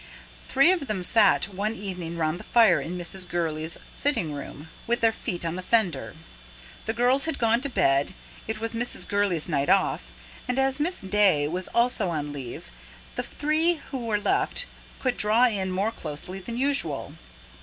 Three of them sat one evening round the fire in Mrs. Gurley's sitting room, with their feet on the fender. The girls had gone to bed; it was Mrs. Gurley's night off, and as Miss Day was also on leave, the three who were left could draw in more closely than usual.